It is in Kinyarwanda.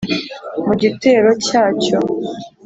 mu gitero cya cyo